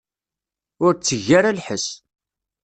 Ur tteg ara lḥess.